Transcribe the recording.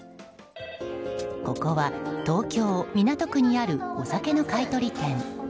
ここは、東京・港区にあるお酒の買い取り店。